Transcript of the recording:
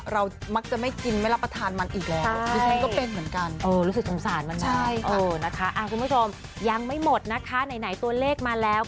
เรามักจะไม่กินไม่รับประทานมันอีกแล้ว